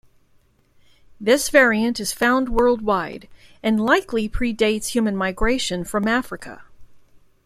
This variant is found worldwide, and likely predates human migration from Africa.